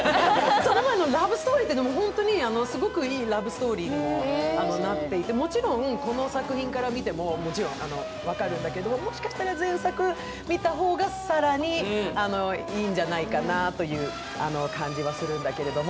その前のラブストーリーというのも本当にすごくいいラブストーリーになっていて、もちろんこの作品から見ても分かるんだけど、もしかしたら前作を見た方が更にいいんじゃないかなという感じはするんだけれども。